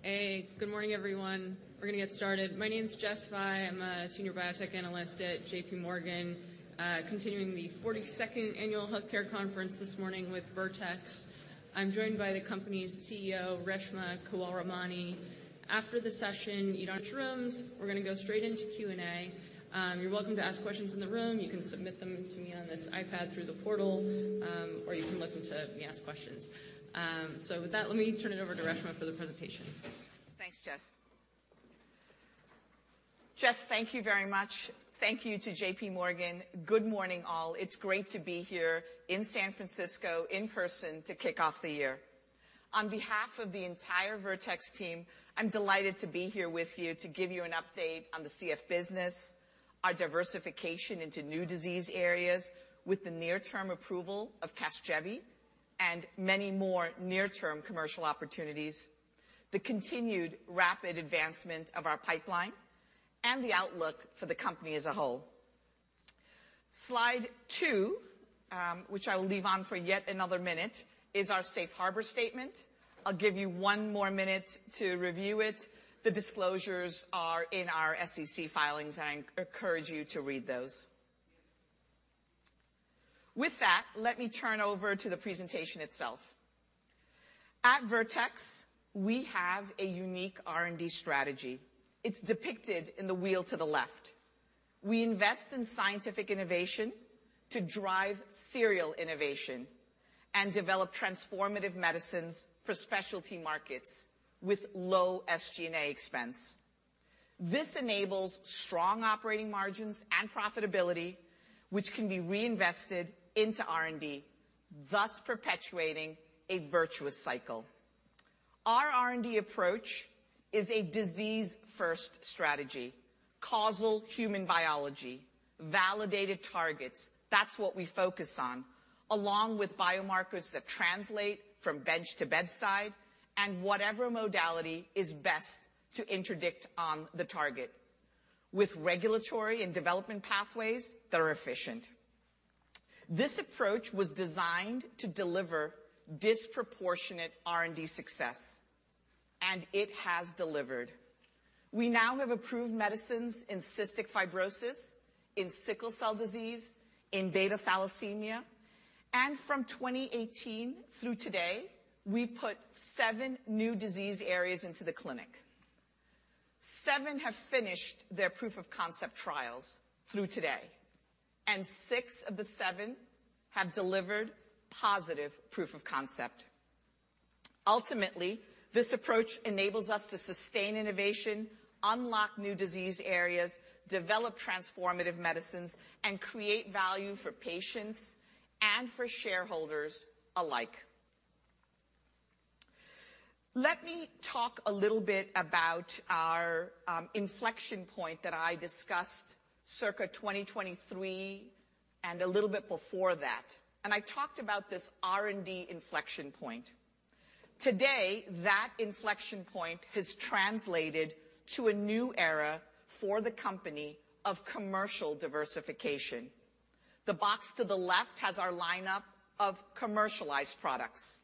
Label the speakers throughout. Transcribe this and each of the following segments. Speaker 1: Great. Good. Hey, good morning, everyone. We're going to get started. My name is Jess Fye. I'm a Senior Biotech Analyst at JPMorgan, continuing the 42nd Annual Healthcare Conference this morning with Vertex. I'm joined by the company's CEO, Reshma Kewalramani. After the session, you in the rooms, we're going to go straight into Q&A. You're welcome to ask questions in the room. You can submit them to me on this iPad through the portal, or you can listen to me ask questions. So with that, let me turn it over to Reshma for the presentation.
Speaker 2: Thanks, Jess. Jess, thank you very much. Thank you to JPMorgan. Good morning, all. It's great to be here in San Francisco, in person, to kick off the year. On behalf of the entire Vertex team, I'm delighted to be here with you to give you an update on the CF business, our diversification into new disease areas with the near-term approval of Casgevy and many more near-term commercial opportunities, the continued rapid advancement of our pipeline, and the outlook for the company as a whole. Slide two, which I will leave on for yet another minute, is our safe harbor statement. I'll give you one more minute to review it. The disclosures are in our SEC filings, and I encourage you to read those. With that, let me turn over to the presentation itself. At Vertex, we have a unique R&D strategy. It's depicted in the wheel to the left. We invest in scientific innovation to drive serial innovation and develop transformative medicines for specialty markets with low SG&A expense. This enables strong operating margins and profitability, which can be reinvested into R&D, thus perpetuating a virtuous cycle. Our R&D approach is a disease-first strategy, causal human biology, validated targets. That's what we focus on, along with biomarkers that translate from bench to bedside and whatever modality is best to interdict on the target, with regulatory and development pathways that are efficient. This approach was designed to deliver disproportionate R&D success, and it has delivered. We now have approved medicines in Cystic Fibrosis, in Sickle Cell Disease, in Beta Thalassemia, and from 2018 through today, we put seven new disease areas into the clinic. Seven have finished their proof-of-concept trials through today, and six of the seven have delivered positive proof of concept. Ultimately, this approach enables us to sustain innovation, unlock new disease areas, develop transformative medicines, and create value for patients and for shareholders alike. Let me talk a little bit about our inflection point that I discussed circa 2023 and a little bit before that, and I talked about this R&D inflection point. Today, that inflection point has translated to a new era for the company of commercial diversification. The box to the left has our lineup of commercialized products.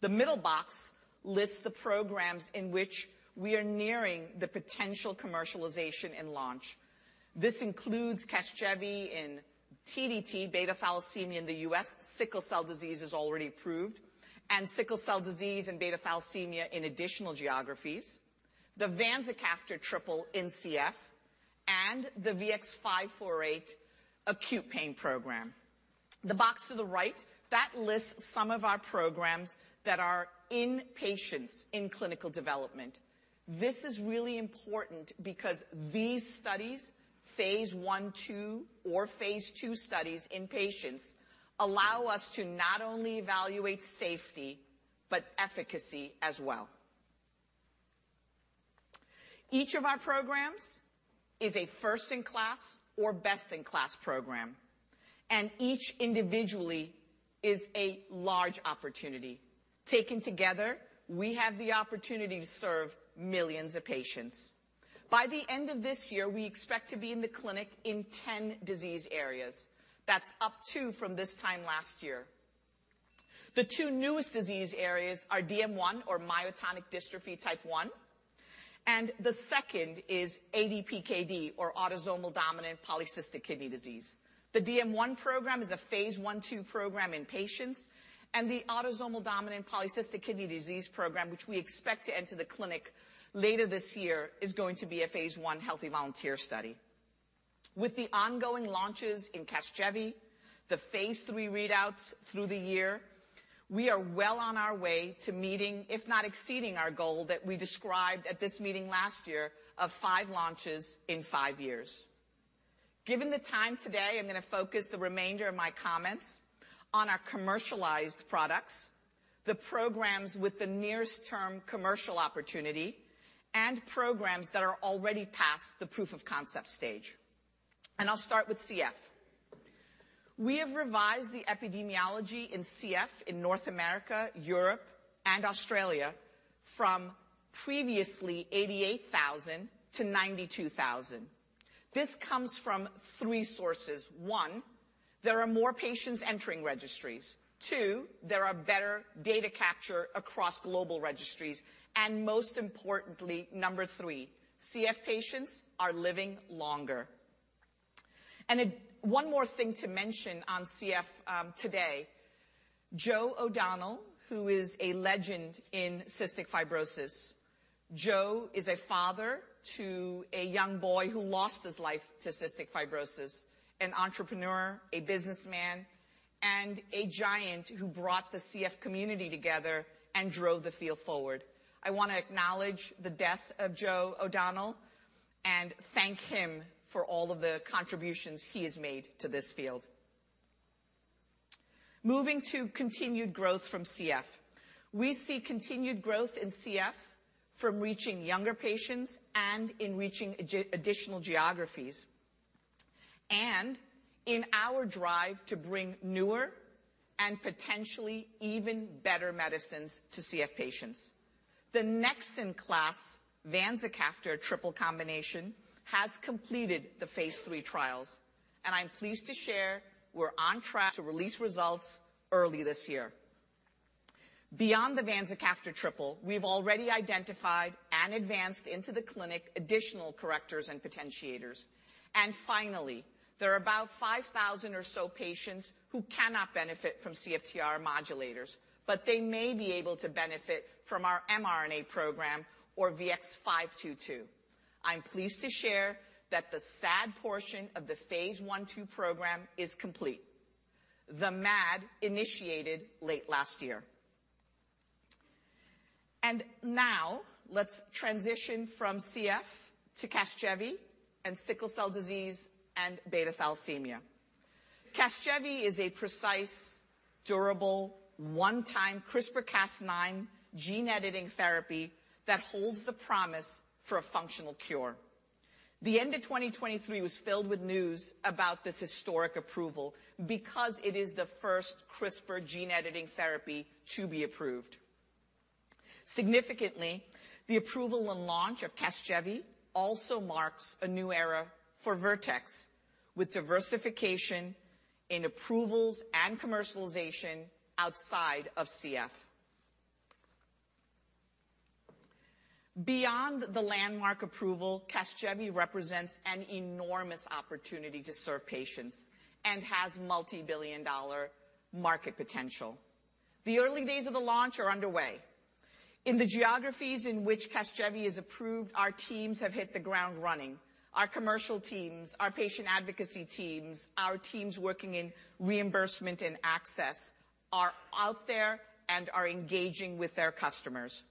Speaker 2: The middle box lists the programs in which we are nearing the potential commercialization and launch. This includes CASGEVY and TDT, Beta Thalassemia in the U.S., Sickle Cell Disease is already approved, and Sickle Cell Disease and Beta Thalassemia in additional geographies, the vanzacaftor triple in CF, and the VX-548 acute pain program. The box to the right, that lists some of our programs that are in patients in clinical development. This is really important because these studies, phase I, II, or phase II studies in patients, allow us to not only evaluate safety but efficacy as well. Each of our programs is a first-in-class or best-in-class program, and each individually is a large opportunity. Taken together, we have the opportunity to serve millions of patients. By the end of this year, we expect to be in the clinic in 10 disease areas. That's up two from this time last year. The two newest disease areas are DM1 or myotonic dystrophy type 1, and the second is ADPKD or autosomal dominant polycystic kidney disease. The DM1 program is a phase I/II program in patients, and the autosomal dominant polycystic kidney disease program, which we expect to enter the clinic later this year, is going to be a phase I healthy volunteer study. With the ongoing launches in Casgevy, the phase III readouts through the year, we are well on our way to meeting, if not exceeding, our goal that we described at this meeting last year of five launches in five years. Given the time today, I'm going to focus the remainder of my comments on our commercialized products, the programs with the nearest term commercial opportunity, and programs that are already past the proof of concept stage, and I'll start with CF. We have revised the epidemiology in CF in North America, Europe, and Australia from previously 88,000 to 92,000. This comes from three sources. One, there are more patients entering registries. Two, there are better data capture across global registries, and most importantly, number three, CF patients are living longer. And, one more thing to mention on CF, today, Joe O'Donnell, who is a father to a young boy who lost his life to Cystic Fibrosis. Joe is a father to a young boy who lost his life to Cystic Fibrosis, an entrepreneur, a businessman, and a giant who brought the CF community together and drove the field forward. I want to acknowledge the death of Joe O'Donnell and thank him for all of the contributions he has made to this field. Moving to continued growth from CF. We see continued growth in CF from reaching younger patients and in reaching geographies, and in our drive to bring newer and potentially even better medicines to CF patients. The next-in-class Vanzacaftor triple combination has completed the phase III trials, and I'm pleased to share we're on track to release results early this year. Beyond the Vanzacaftor triple, we've already identified and advanced into the clinic additional correctors and potentiators. And finally, there are about 5,000 or so patients who cannot benefit from CFTR modulators, but they may be able to benefit from our mRNA program or VX-522. I'm pleased to share that the SAD portion of the phase 1/2 program is complete, the MAD initiated late last year. And now let's transition from CF to Casgevy and sickle cell disease and beta thalassemia. Casgevy is a precise, durable, one-time CRISPR-Cas9 gene-editing therapy that holds the promise for a functional cure. The end of 2023 was filled with news about this historic approval because it is the first CRISPR gene-editing therapy to be approved. Significantly, the approval and launch of Casgevy also marks a new era for Vertex, with diversification in approvals and commercialization outside of CF. Beyond the landmark approval, Casgevy represents an enormous opportunity to serve patients and has multibillion-dollar market potential. The early days of the launch are underway. In the geographies in which Casgevy is approved, our teams have hit the ground running. Our commercial teams, our patient advocacy teams, our teams working in reimbursement and access are out there and are engaging with their customers.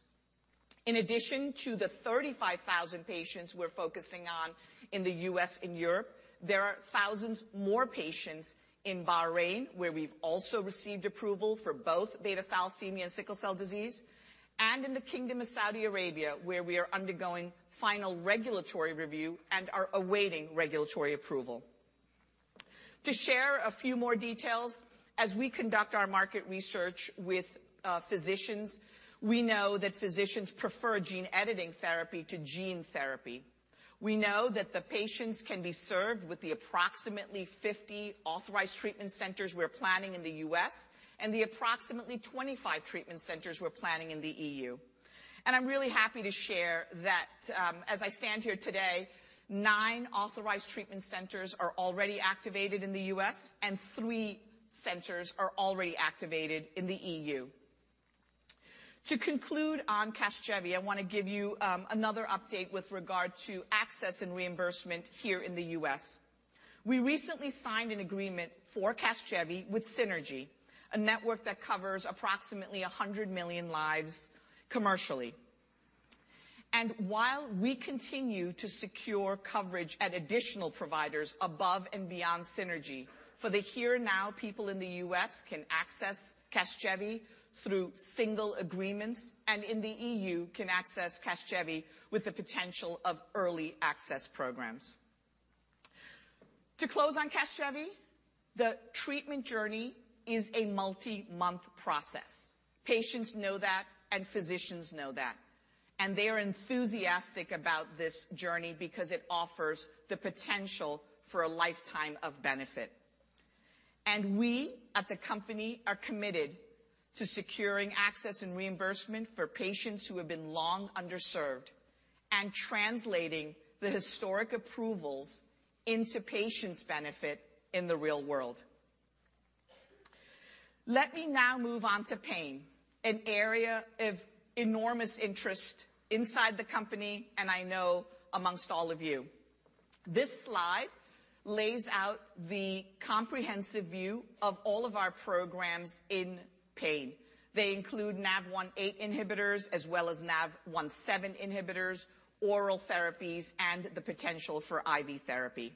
Speaker 2: In addition to the 35,000 patients we're focusing on in the U.S. and Europe, there are thousands more patients in Bahrain, where we've also received approval for both Beta Thalassemia and Sickle Cell Disease, and in the Kingdom of Saudi Arabia, where we are undergoing final regulatory review and are awaiting regulatory approval. To share a few more details, as we conduct our market research with physicians, we know that physicians prefer gene-editing therapy to gene therapy. We know that the patients can be served with the approximately 50 authorized treatment centers we're planning in the U.S., and the approximately 25 treatment centers we're planning in the EU. I'm really happy to share that, as I stand here today, nine authorized treatment centers are already activated in the U.S., and three centers are already activated in the EU. To conclude on Casgevy, I want to give you another update with regard to access and reimbursement here in the U.S. We recently signed an agreement for Casgevy with Synergy, a network that covers approximately 100 million lives commercially. And while we continue to secure coverage at additional providers above and beyond Synergy, for the here and now, people in the U.S. can access Casgevy through single agreements and in the EU can access Casgevy with the potential of early access programs. To close on Casgevy, the treatment journey is a multi-month process. Patients know that, and physicians know that, and they are enthusiastic about this journey because it offers the potential for a lifetime of benefit. And we at the company are committed to securing access and reimbursement for patients who have been long underserved and translating the historic approvals into patients' benefit in the real world. Let me now move on to pain, an area of enormous interest inside the company, and I know among all of you. This slide lays out the comprehensive view of all of our programs in pain. They include NaV1.8 inhibitors, as well as NaV1.7 inhibitors, oral therapies, and the potential for IV therapy.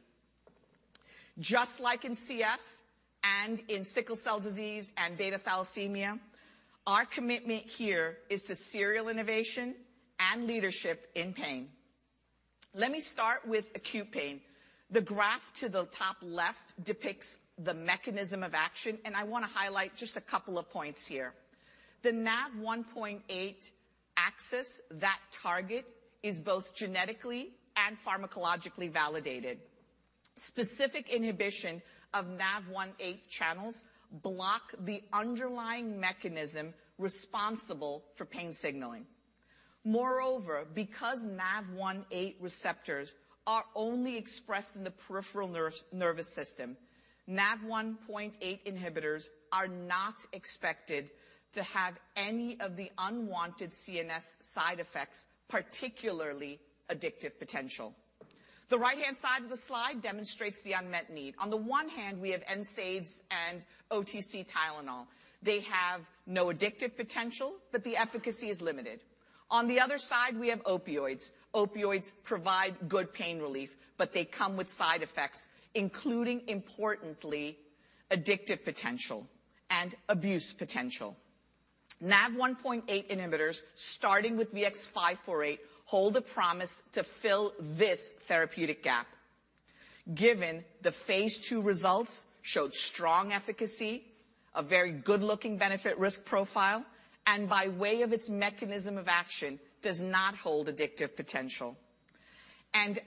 Speaker 2: Just like in CF and in Sickle Cell Disease and Beta Thalassemia, our commitment here is to serial innovation and leadership in pain. Let me start with acute pain. The graph to the top left depicts the mechanism of action, and I want to highlight just a couple of points here. The NaV1.8 access that target is both genetically and pharmacologically validated. Specific inhibition of NaV1.8 channels block the underlying mechanism responsible for pain signaling. Moreover, because NaV1.8 receptors are only expressed in the peripheral nervous system, NaV1.8 inhibitors are not expected to have any of the unwanted CNS side effects, particularly addictive potential. The right-hand side of the slide demonstrates the unmet need. On the one hand, we have NSAIDs and OTC Tylenol. They have no addictive potential, but the efficacy is limited. On the other side, we have opioids. Opioids provide good pain relief, but they come with side effects, including, importantly, addictive potential and abuse potential. NaV1.8 inhibitors, starting with VX-548, hold a promise to fill this therapeutic gap. Given the phase 2 results showed strong efficacy, a very good-looking benefit-risk profile, and by way of its mechanism of action, does not hold addictive potential.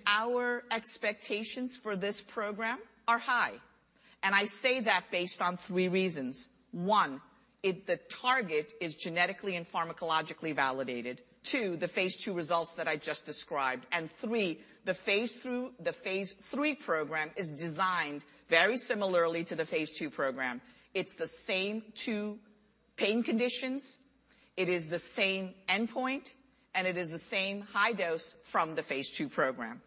Speaker 2: Our expectations for this program are high, and I say that based on 3 reasons. 1, the target is genetically and pharmacologically validated. 2, the phase two results that I just described. And 3, the phase three program is designed very similarly to the phase two program. It's the same two pain conditions, it is the same endpoint, and it is the same high dose from the phase two program.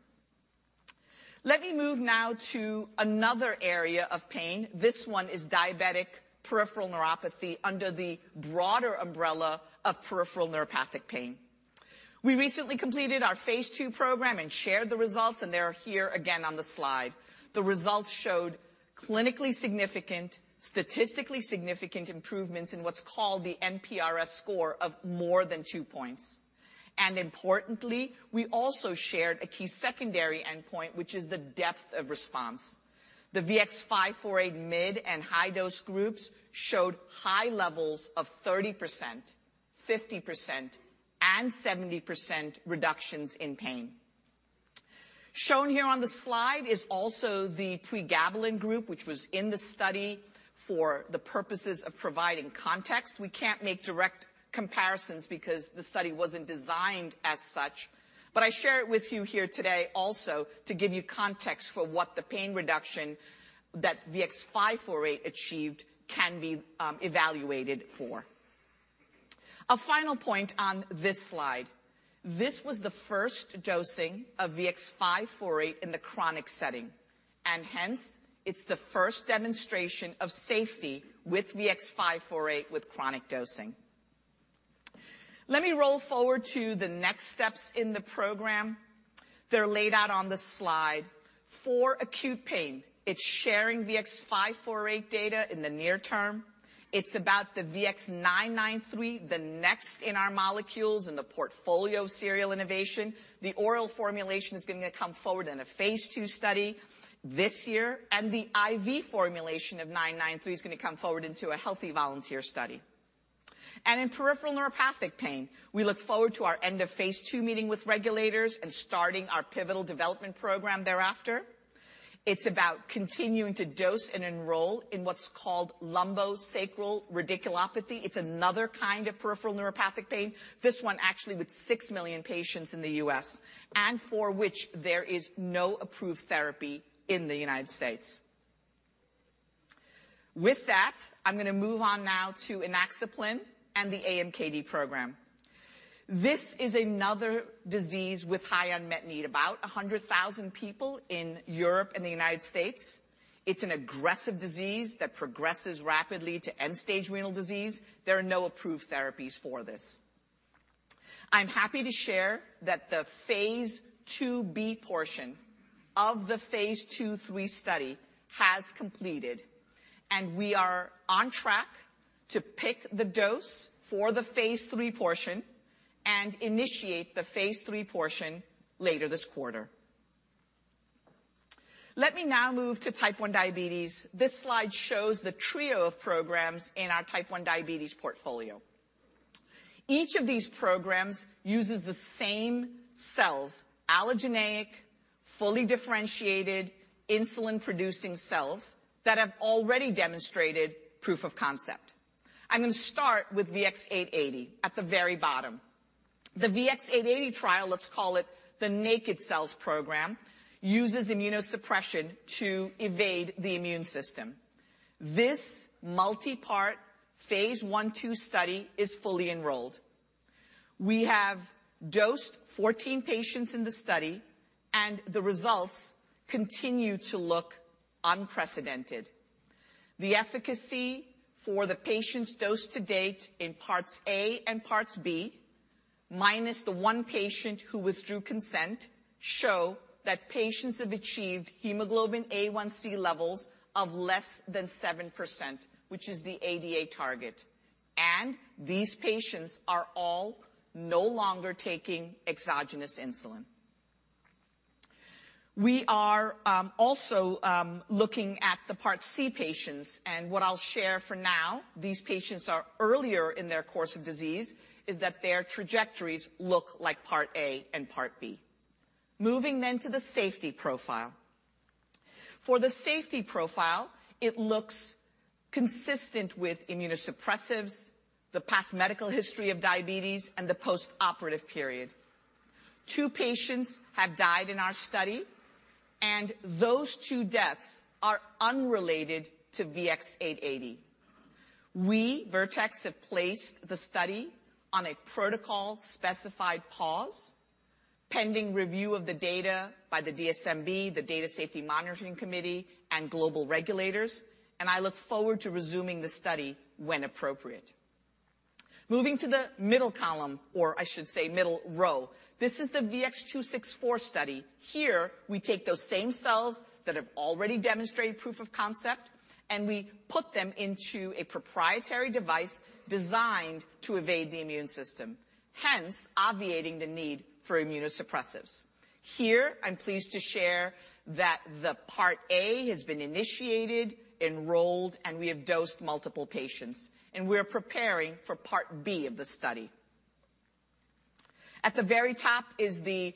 Speaker 2: Let me move now to another area of pain. This one is diabetic peripheral neuropathy under the broader umbrella of peripheral neuropathic pain. We recently completed our phase two program and shared the results, and they are here again on the slide. The results showed clinically significant, statistically significant improvements in what's called the NPRS score of more than 2 points. And importantly, we also shared a key secondary endpoint, which is the depth of response. The VX-548 mid and high dose groups showed high levels of 30%, 50%, and 70% reductions in pain. Shown here on the slide is also the pregabalin group, which was in the study for the purposes of providing context. We can't make direct comparisons because the study wasn't designed as such, but I share it with you here today also to give you context for what the pain reduction that VX-548 achieved can be evaluated for. A final point on this slide. This was the first dosing of VX-548 in the chronic setting, and hence, it's the first demonstration of safety with VX-548 with chronic dosing. Let me roll forward to the next steps in the program. They're laid out on the slide. For acute pain, it's sharing VX-548 data in the near term. It's about the VX-993, the next in our molecules in the portfolio of serial innovation. The oral formulation is going to come forward in a phase 2 study this year, and the IV formulation of 993 is going to come forward into a healthy volunteer study. In peripheral neuropathic pain, we look forward to our end of phase 2 meeting with regulators and starting our pivotal development program thereafter. It's about continuing to dose and enroll in what's called lumbosacral radiculopathy. It's another kind of peripheral neuropathic pain, this one actually with 6 million patients in the U.S., and for which there is no approved therapy in the United States. With that, I'm going to move on now to Inaxaplin and the AMKD program. This is another disease with high unmet need, about 100,000 people in Europe and the United States. It's an aggressive disease that progresses rapidly to end-stage renal disease. There are no approved therapies for this. I'm happy to share that the phase IIb portion of the phase 2/3 study has completed, and we are on track to pick the dose for the phase 3 portion and initiate the phase 3 portion later this quarter. Let me now move to Type 1 diabetes. This slide shows the trio of programs in our Type 1 diabetes portfolio. Each of these programs uses the same cells, allogeneic, fully differentiated, insulin-producing cells, that have already demonstrated proof of concept. I'm going to start with VX-880 at the very bottom. The VX-880 trial, let's call it the naked cells program, uses immunosuppression to evade the immune system. This multi-part phase 1/2 study is fully enrolled. We have dosed 14 patients in the study, and the results continue to look unprecedented. The efficacy for the patients dosed to date in parts A and parts B, minus the 1 patient who withdrew consent, show that patients have achieved hemoglobin A1c levels of less than 7%, which is the ADA target, and these patients are all no longer taking exogenous insulin.... We are also looking at the Part C patients, and what I'll share for now, these patients are earlier in their course of disease, is that their trajectories look like Part A and Part B. Moving then to the safety profile. For the safety profile, it looks consistent with immunosuppressives, the past medical history of diabetes, and the postoperative period. 2 patients have died in our study, and those 2 deaths are unrelated to VX-880. We, Vertex, have placed the study on a protocol-specified pause, pending review of the data by the DSMB, the Data Safety Monitoring Committee, and global regulators, and I look forward to resuming the study when appropriate. Moving to the middle column, or I should say middle row, this is the VX-264 study. Here, we take those same cells that have already demonstrated proof of concept, and we put them into a proprietary device designed to evade the immune system, hence obviating the need for immunosuppressives. Here, I'm pleased to share that the Part A has been initiated, enrolled, and we have dosed multiple patients, and we are preparing for Part B of the study. At the very top is the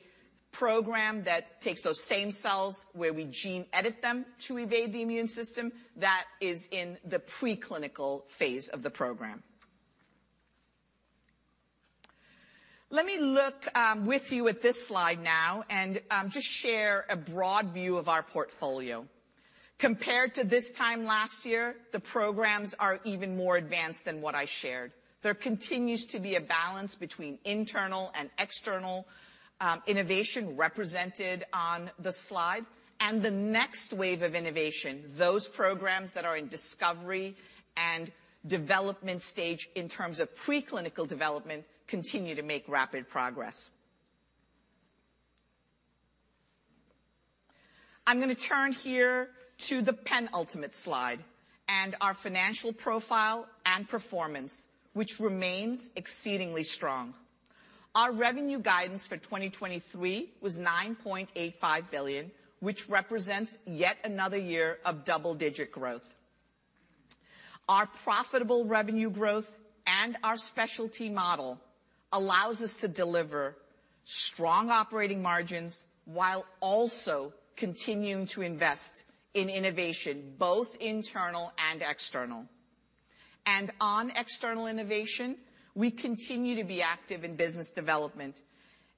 Speaker 2: program that takes those same cells, where we gene edit them to evade the immune system. That is in the preclinical phase of the program. Let me look with you at this slide now and just share a broad view of our portfolio. Compared to this time last year, the programs are even more advanced than what I shared. There continues to be a balance between internal and external innovation represented on the slide, and the next wave of innovation, those programs that are in discovery and development stage in terms of preclinical development, continue to make rapid progress. I'm going to turn here to the penultimate slide and our financial profile and performance, which remains exceedingly strong. Our revenue guidance for 2023 was $9.85 billion, which represents yet another year of double-digit growth. Our profitable revenue growth and our specialty model allows us to deliver strong operating margins while also continuing to invest in innovation, both internal and external. On external innovation, we continue to be active in business development,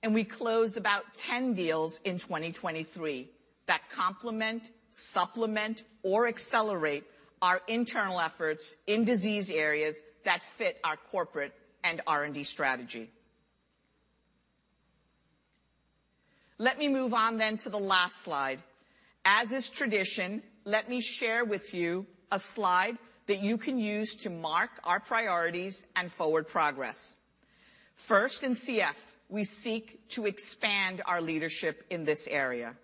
Speaker 2: and we closed about 10 deals in 2023 that complement, supplement, or accelerate our internal efforts in disease areas that fit our corporate and R&D strategy. Let me move on then to the last slide. As is tradition, let me share with you a slide that you can use to mark our priorities and forward progress. First, in CF, we seek to expand our leadership in this area.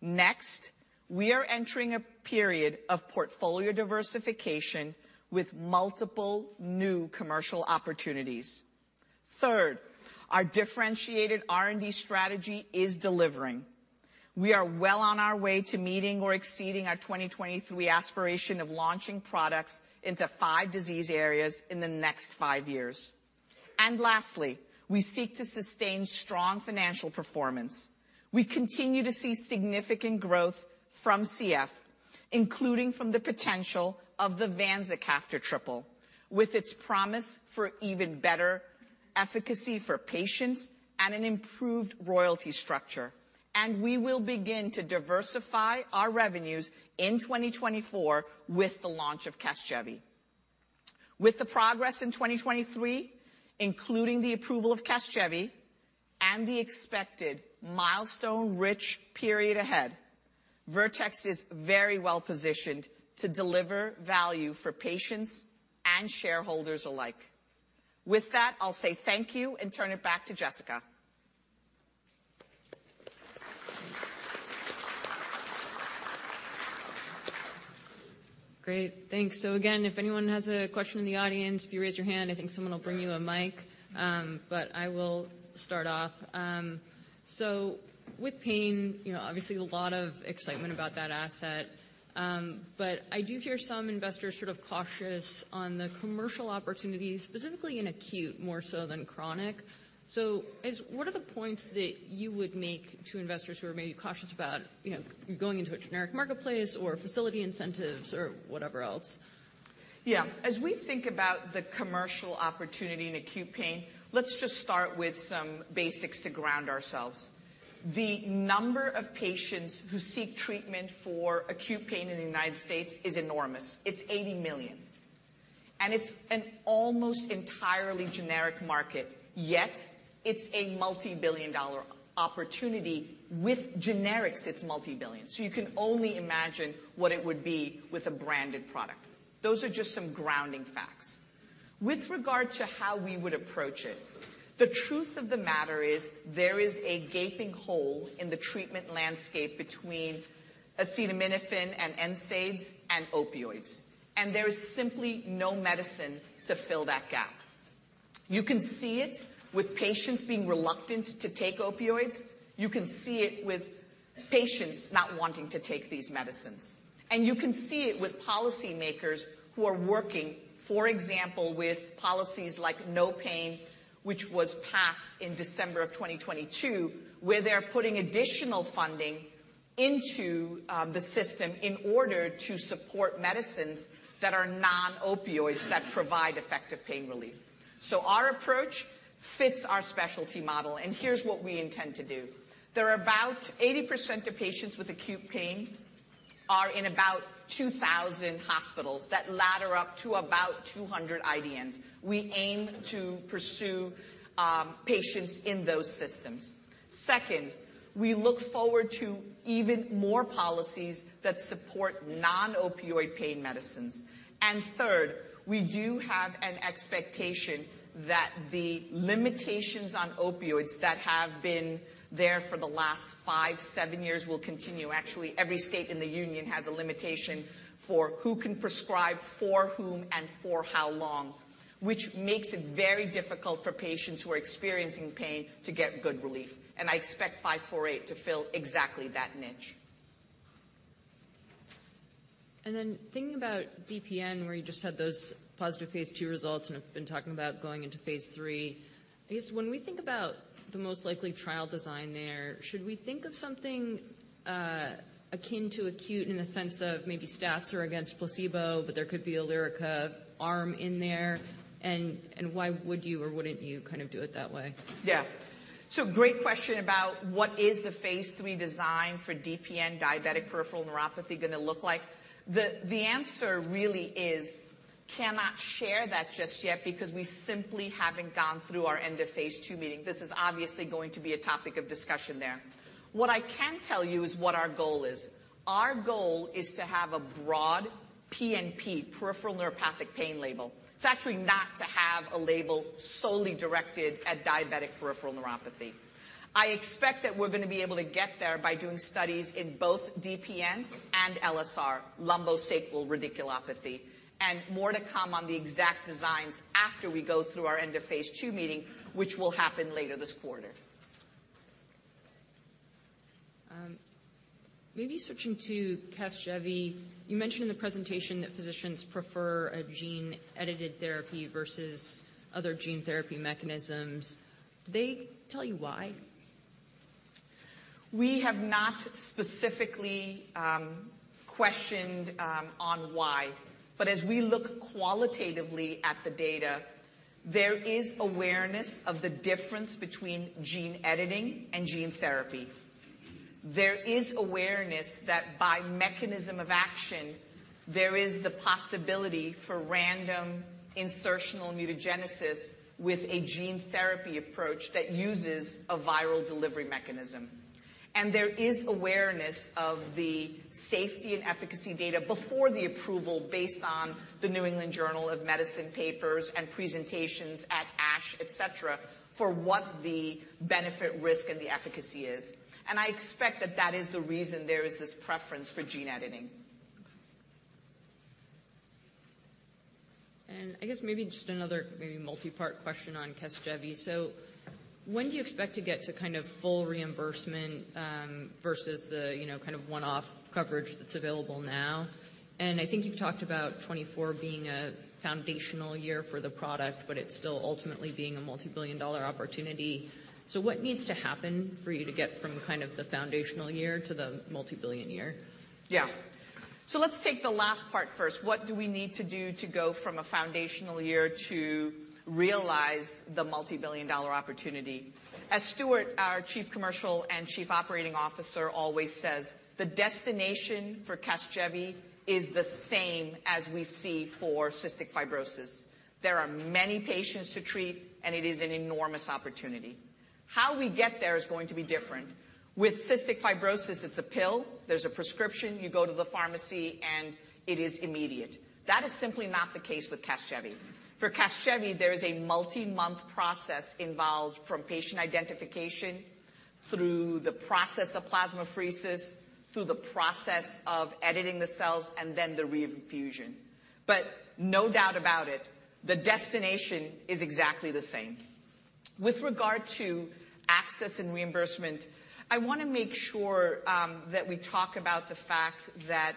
Speaker 2: Next, we are entering a period of portfolio diversification with multiple new commercial opportunities. Third, our differentiated R&D strategy is delivering. We are well on our way to meeting or exceeding our 2023 aspiration of launching products into 5 disease areas in the next 5 years. And lastly, we seek to sustain strong financial performance. We continue to see significant growth from CF, including from the potential of the Vanzacaftor triple, with its promise for even better efficacy for patients and an improved royalty structure. And we will begin to diversify our revenues in 2024 with the launch of Casgevy. With the progress in 2023, including the approval of Casgevy and the expected milestone-rich period ahead, Vertex is very well positioned to deliver value for patients and shareholders alike. With that, I'll say thank you and turn it back to Jessica.
Speaker 1: Great. Thanks. So again, if anyone has a question in the audience, if you raise your hand, I think someone will bring you a mic. But I will start off. So with pain, you know, obviously a lot of excitement about that asset. But I do hear some investors sort of cautious on the commercial opportunities, specifically in acute, more so than chronic. So is-- what are the points that you would make to investors who are maybe cautious about, you know, going into a generic marketplace or facility incentives or whatever else?
Speaker 2: Yeah. As we think about the commercial opportunity in acute pain, let's just start with some basics to ground ourselves. The number of patients who seek treatment for acute pain in the United States is enormous. It's 80 million, and it's an almost entirely generic market, yet it's a multibillion-dollar opportunity. With generics, it's multibillion. So you can only imagine what it would be with a branded product. Those are just some grounding facts. With regard to how we would approach it, the truth of the matter is there is a gaping hole in the treatment landscape between acetaminophen and NSAIDs and opioids, and there is simply no medicine to fill that gap. You can see it with patients being reluctant to take opioids. You can see it with patients not wanting to take these medicines. You can see it with policymakers who are working, for example, with policies like NOPAIN, which was passed in December 2022, where they're putting additional funding into the system in order to support medicines that are non-opioids that provide effective pain relief. So our approach fits our specialty model, and here's what we intend to do. There are about 80% of patients with acute pain in about 2,000 hospitals that ladder up to about 200 IDNs. We aim to pursue patients in those systems. Second, we look forward to even more policies that support non-opioid pain medicines. And third, we do have an expectation that the limitations on opioids that have been there for the last 5-7 years will continue. Actually, every state in the union has a limitation for who can prescribe for whom and for how long, which makes it very difficult for patients who are experiencing pain to get good relief, and I expect 548 to fill exactly that niche.
Speaker 1: And then thinking about DPN, where you just had those positive phase 2 results and have been talking about going into phase 3, I guess when we think about the most likely trial design there, should we think of something akin to acute in the sense of maybe stats are against placebo, but there could be a Lyrica arm in there? And why would you or wouldn't you kind of do it that way?
Speaker 2: Yeah. So great question about what is the phase three design for DPN, diabetic peripheral neuropathy, gonna look like. The answer really is, cannot share that just yet because we simply haven't gone through our end of phase two meeting. This is obviously going to be a topic of discussion there. What I can tell you is what our goal is. Our goal is to have a broad PNP, peripheral neuropathic pain label. It's actually not to have a label solely directed at diabetic peripheral neuropathy. I expect that we're gonna be able to get there by doing studies in both DPN and LSR, lumbosacral radiculopathy, and more to come on the exact designs after we go through our end of phase two meeting, which will happen later this quarter.
Speaker 1: Maybe switching to Casgevy. You mentioned in the presentation that physicians prefer a gene-edited therapy versus other gene therapy mechanisms. Did they tell you why?
Speaker 2: We have not specifically questioned on why, but as we look qualitatively at the data, there is awareness of the difference between gene editing and gene therapy. There is awareness that by mechanism of action, there is the possibility for random insertional mutagenesis with a gene therapy approach that uses a viral delivery mechanism. And there is awareness of the safety and efficacy data before the approval, based on the New England Journal of Medicine papers and presentations at ASH, et cetera, for what the benefit, risk, and the efficacy is. And I expect that that is the reason there is this preference for gene editing.
Speaker 1: I guess just another multi-part question on Casgevy. So when do you expect to get to kind of full reimbursement versus the, you know, kind of one-off coverage that's available now? And I think you've talked about 2024 being a foundational year for the product, but it's still ultimately being a multi-billion-dollar opportunity. So what needs to happen for you to get from kind of the foundational year to the multi-billion year?
Speaker 2: Yeah. So let's take the last part first. What do we need to do to go from a foundational year to realize the multi-billion-dollar opportunity? As Stuart, our Chief Operating Officer, always says, "The destination for Casgevy is the same as we see for cystic fibrosis." There are many patients to treat, and it is an enormous opportunity. How we get there is going to be different. With cystic fibrosis, it's a pill, there's a prescription, you go to the pharmacy, and it is immediate. That is simply not the case with Casgevy. For Casgevy, there is a multi-month process involved, from patient identification through the process of plasmapheresis, through the process of editing the cells, and then the reinfusion. But no doubt about it, the destination is exactly the same. With regard to access and reimbursement, I want to make sure that we talk about the fact that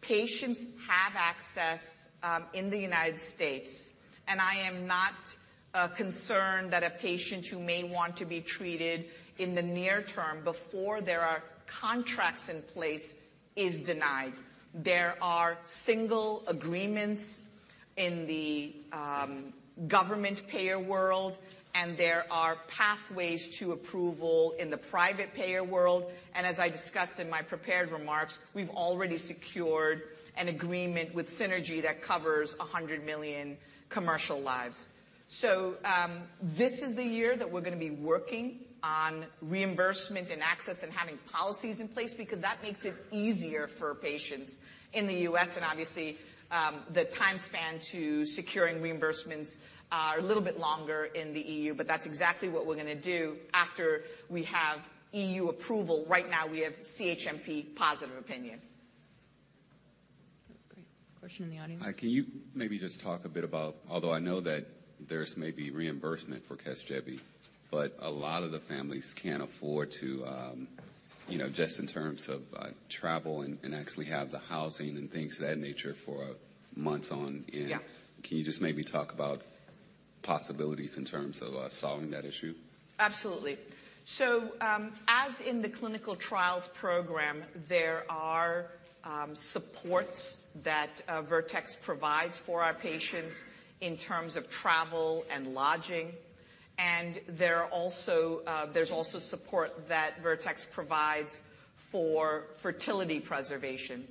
Speaker 2: patients have access in the United States, and I am not concerned that a patient who may want to be treated in the near term before there are contracts in place is denied. There are single agreements in the government payer world, and there are pathways to approval in the private payer world, and as I discussed in my prepared remarks, we've already secured an agreement with Synergy that covers 100 million commercial lives. So, this is the year that we're gonna be working on reimbursement and access and having policies in place, because that makes it easier for patients in the U.S., and obviously, the time span to securing reimbursements are a little bit longer in the E.U., but that's exactly what we're gonna do after we have E.U. approval. Right now, we have CHMP positive opinion.
Speaker 1: Question in the audience?
Speaker 3: Hi, can you maybe just talk a bit about, although I know that there's maybe reimbursement for Casgevy, but a lot of the families can't afford to, you know, just in terms of, travel and actually have the housing and things of that nature for months on end?
Speaker 2: Yeah.
Speaker 3: Can you just maybe talk about possibilities in terms of solving that issue?
Speaker 2: Absolutely. So, as in the clinical trials program, there are supports that Vertex provides for our patients in terms of travel and lodging, and there are also, there's also support that Vertex provides for fertility preservation.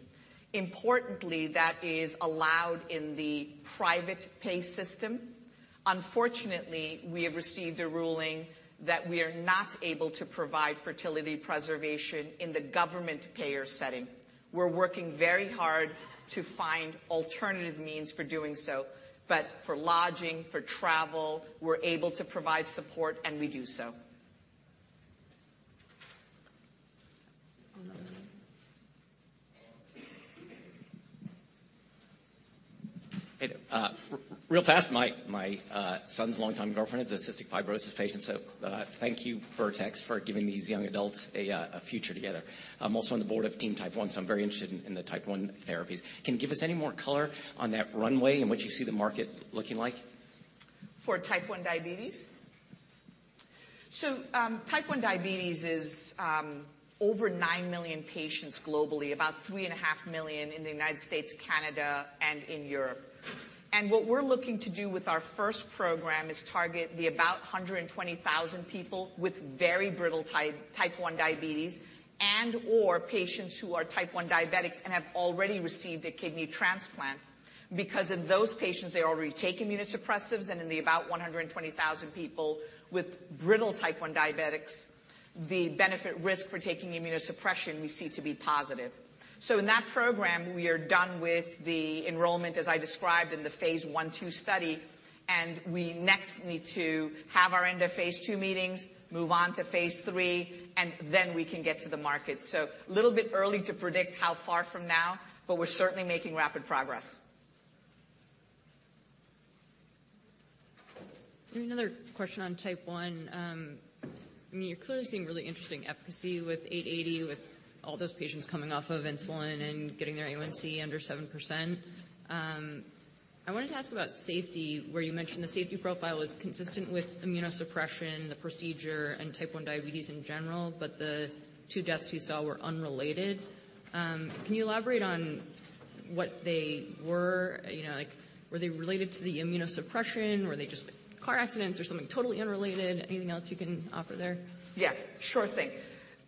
Speaker 2: Importantly, that is allowed in the private pay system. Unfortunately, we have received a ruling that we are not able to provide fertility preservation in the government payer setting. We're working very hard to find alternative means for doing so, but for lodging, for travel, we're able to provide support, and we do so.
Speaker 1: One more.
Speaker 4: Hey, real fast. My son's longtime girlfriend is a cystic fibrosis patient, so thank you, Vertex, for giving these young adults a future together. I'm also on the board of Team Type 1, so I'm very interested in the Type 1 therapies. Can you give us any more color on that runway in which you see the market looking like?
Speaker 2: For Type 1 diabetes? So, Type 1 diabetes is over 9 million patients globally, about 3.5 million in the United States, Canada, and Europe. And what we're looking to do with our first program is target the about 120,000 people with very brittle type one diabetes and/or patients who are type one diabetics and have already received a kidney transplant. Because in those patients, they already take immunosuppressives, and in the about 120,000 people with brittle type one diabetics, the benefit-risk for taking immunosuppression we see to be positive. So in that program, we are done with the enrollment, as I described in the phase 1/2 study, and we next need to have our end-of-phase 2 meetings, move on to phase 3, and then we can get to the market. A little bit early to predict how far from now, but we're certainly making rapid progress.
Speaker 1: Another question on Type 1. I mean, you're clearly seeing really interesting efficacy with VX-880, with all those patients coming off of insulin and getting their A1C under 7%. I wanted to ask about safety, where you mentioned the safety profile was consistent with immunosuppression, the procedure, and Type 1 diabetes in general, but the 2 deaths you saw were unrelated. Can you elaborate on what they were? You know, like, were they related to the immunosuppression? Were they just car accidents or something totally unrelated? Anything else you can offer there?
Speaker 2: Yeah, sure thing.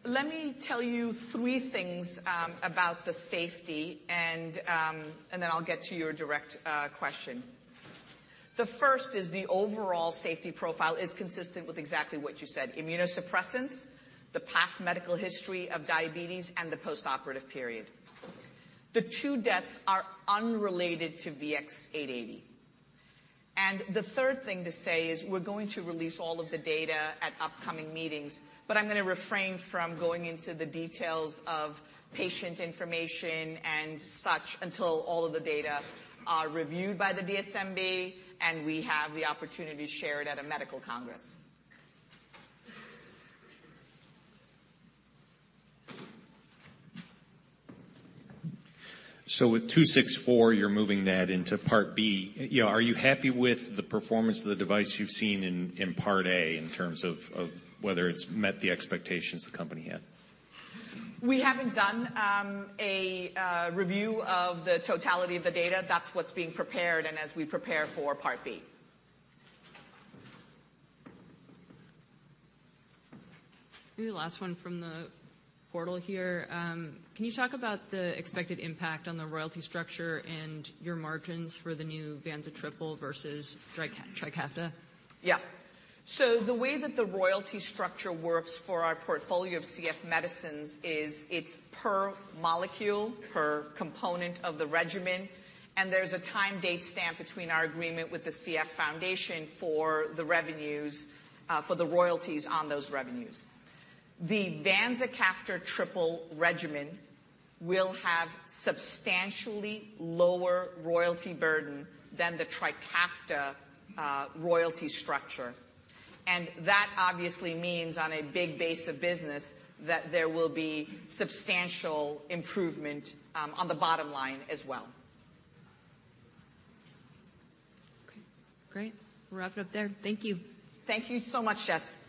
Speaker 2: Let me tell you three things about the safety and then I'll get to your direct question. The first is the overall safety profile is consistent with exactly what you said, immunosuppressants, the past medical history of diabetes, and the postoperative period. The two deaths are unrelated to VX-880. And the third thing to say is we're going to release all of the data at upcoming meetings, but I'm going to refrain from going into the details of patient information and such, until all of the data are reviewed by the DSMB, and we have the opportunity to share it at a medical congress.
Speaker 5: With VX-264, you're moving that into part B. You know, are you happy with the performance of the device you've seen in part A, in terms of whether it's met the expectations the company had?
Speaker 2: We haven't done a review of the totality of the data. That's what's being prepared, and as we prepare for part B.
Speaker 1: Maybe the last one from the portal here. Can you talk about the expected impact on the royalty structure and your margins for the new Vanzacaftor triple versus TRIKAFTA?
Speaker 2: Yeah. So the way that the royalty structure works for our portfolio of CF medicines is it's per molecule, per component of the regimen, and there's a time date stamp between our agreement with the CF Foundation for the revenues, for the royalties on those revenues. The Vanzacaftor triple regimen will have substantially lower royalty burden than the Trikafta royalty structure. And that obviously means on a big base of business, that there will be substantial improvement on the bottom line as well.
Speaker 1: Okay, great. We'll wrap it up there. Thank you.
Speaker 2: Thank you so much, Jess.